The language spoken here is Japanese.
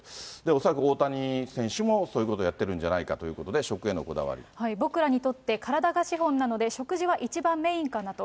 恐らく大谷選手も、そういうことをやってるんじゃないかということで、僕らにとって、体が資本なので、食事は一番メインかなと。